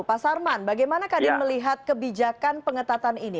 pak sarman bagaimana kadin melihat kebijakan pengetatan ini